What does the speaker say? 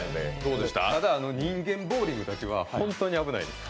ただ人間ボウリングだけは本当に危ないです。